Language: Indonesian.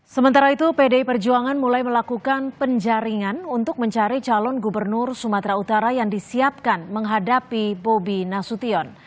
sementara itu pdi perjuangan mulai melakukan penjaringan untuk mencari calon gubernur sumatera utara yang disiapkan menghadapi bobi nasution